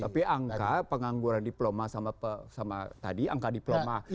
tapi angka pengangguran diploma sama tadi angka diploma